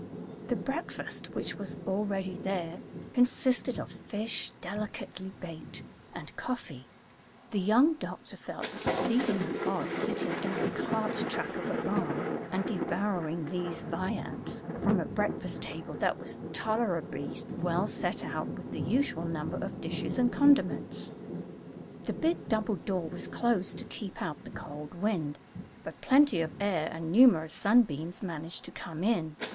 The breakfast, which was already there, consisted of fish, delicately baked, and coffee. The young doctor felt exceedingly odd, sitting in the cart track of a barn and devouring these viands from a breakfast table that was tolerably well set out with the usual number of dishes and condiments. The big double door was closed to keep out the cold wind, but plenty of air and numerous sunbeams managed to come in.